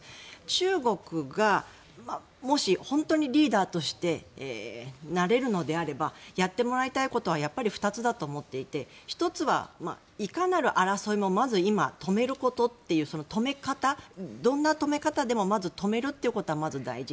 中国がもし、本当にリーダーとしてなれるのであればやってもらいたいことはやっぱり、２つだと思っていて１つはいかなる争いもまず今、止めることというその止め方、どんな止め方でもまず止めるということはまず大事。